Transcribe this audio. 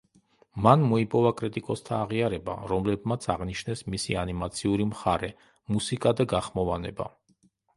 მან მოიპოვა კრიტიკოსთა აღიარება, რომლებმაც აღნიშნეს მისი ანიმაციური მხარე, მუსიკა და გახმოვანება.